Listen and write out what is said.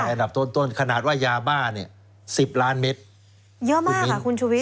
อันดับต้นต้นขนาดว่ายาบ้าเนี่ยสิบล้านเมตรเยอะมากค่ะคุณชุวิต